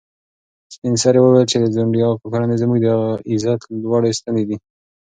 سپین سرې وویل چې د ځونډي اکا کورنۍ زموږ د عزت لوړې ستنې دي.